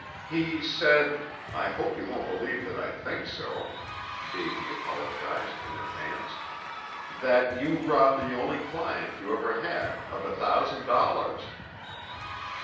"He said I hope you won't believe that I think so," Davy apologized in advance "that you robbed the only client you ever had of a thousand dollars."